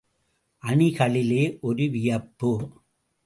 அணிகளிலே ஒரு வியப்பு.